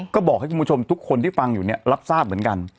ก็บอกให้คุณผู้ชมทุกคนที่ฟังอยู่เนี่ยรับทราบเหมือนกัน